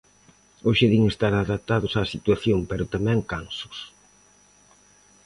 Hoxe din estar adaptados á situación pero tamén cansos.